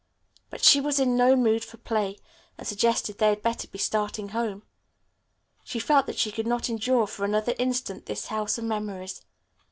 But she was in no mood for play, and suggested they had better be starting home. She felt that she could not endure for another instant this house of memories.